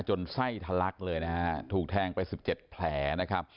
จนไส้ทะลักเลยนะฮะถูกแทงไปสิบเจ็ดแผลนะครับ